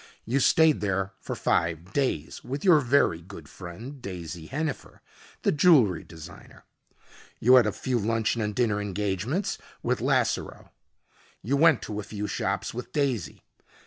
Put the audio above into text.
You stayed there for five days, with your very good friend, Daisy Hennifer, the jewelry designer. You had a few luncheon and dinner engagements with Lasseroe. You went to a few shops with Daisy.